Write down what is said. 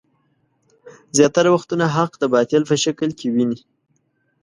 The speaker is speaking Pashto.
زياتره وختونه حق د باطل په شکل کې ويني.